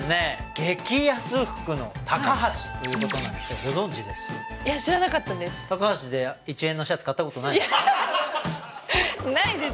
激安服のタカハシということなんですよご存じです？